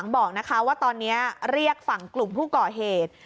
บอกว่าตอนนี้เรียกฝั่งกลุ่มผู้ก่อเหตุ